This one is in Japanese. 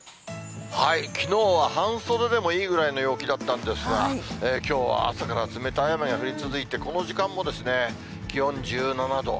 きのうは半袖でもいいぐらいの陽気だったんですが、きょうは朝から冷たい雨が降り続いて、この時間も、気温１７度。